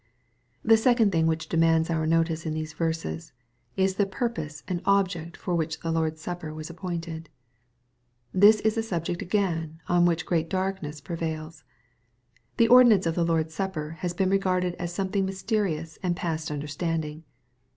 The second thing which demands our notice in these verses, is the purpose and object for which the Lord's Sap^ per was appcmJbed. This is a subject again on which great darkness pre vails. The ordinance of the Lord's Supper has been regarded as something mysterious and past understand ing.